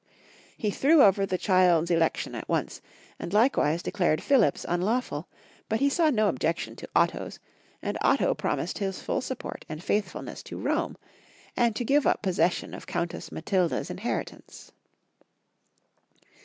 He threw over the cliild's elec tion at once, and likewise declared Philip's unlaw ful, but he saw no objection to Otto's, and Otto promised his full support 9,nd faithfulness to Rome, 164 Young Folks* Histori/ of Q ermany. and to give up possession of Countess Matilda's in heritance.